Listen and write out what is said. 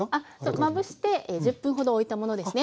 まぶして１０分ほどおいたものですね。